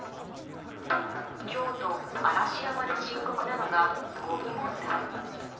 京都・嵐山で深刻なのがごみ問題。